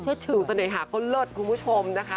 เช็ดชื่อเสน่หาก็เลิศคุณผู้ชมนะคะ